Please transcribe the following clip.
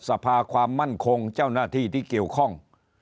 สภาความมั่นคงเจ้าหน้าที่ที่เกี่ยวข้อง